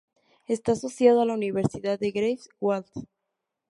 Está asociado a la Universidad de Greifswald.